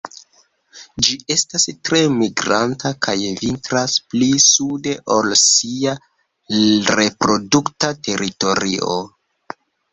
Ĝi estas tre migranta kaj vintras pli sude ol sia reprodukta teritorio.